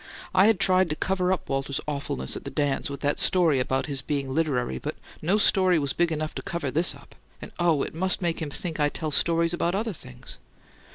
"I'd tried to cover up Walter's awfulness at the dance with that story about his being 'literary,' but no story was big enough to cover this up and oh! it must make him think I tell stories about other things!"